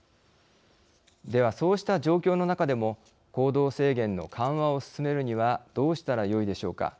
では、そうした状況の中でも行動制限の緩和を進めるにはどうしたらよいでしょうか。